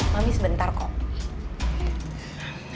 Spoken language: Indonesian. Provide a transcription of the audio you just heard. mami sebentar kok